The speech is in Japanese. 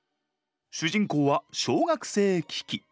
主人公は小学生キキ。